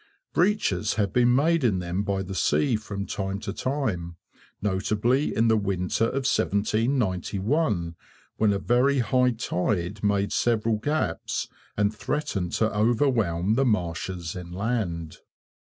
Breaches have been made in them by the sea, from time to time, notably in the winter of 1791, when a very high tide made several gaps, and threatened to overwhelm the marshes inland.